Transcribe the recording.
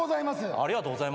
ありがとうございます。